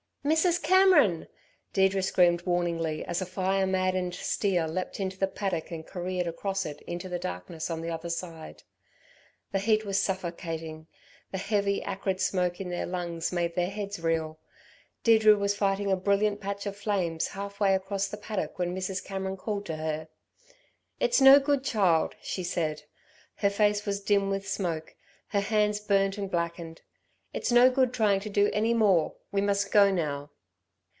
"Mrs. Cameron!" Deirdre screamed warningly as a fire maddened steer leapt into the paddock and careered across it into the darkness on the other side. The heat was suffocating. The heavy, acrid smoke in their lungs made their heads reel. Deirdre was fighting a brilliant patch of flames half way across the paddock when Mrs. Cameron called to her. "It's no good, child!" she said. Her face was dim with smoke, her hands burnt and blackened. "It's no good trying to do any more, we must go now."